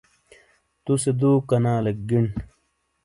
توسے دوکنالیک گݨ۔